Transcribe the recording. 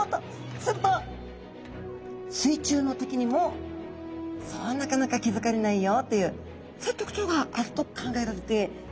すると水中の敵にもそうなかなか気付かれないよというそういう特徴があると考えられているんですよね。